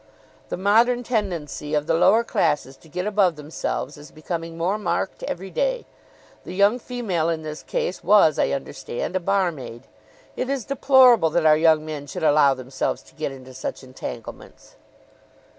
The modern tendency of the lower classes to get above themselves is becoming more marked every day. The young female in this case was, I understand, a barmaid. It is deplorable that our young men should allow themselves to get into such entanglements."